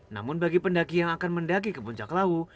namun bagi pendaki yang akan mendaki ke puncak lawu